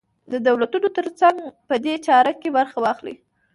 د دولتونو تر څنګ په دې چاره کې برخه واخلي.